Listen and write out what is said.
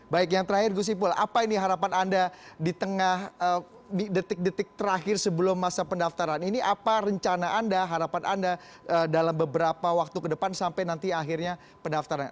baik yang terakhir gus ipul apa ini harapan anda di tengah detik detik terakhir sebelum masa pendaftaran ini apa rencana anda harapan anda dalam beberapa waktu ke depan sampai nanti akhirnya pendaftaran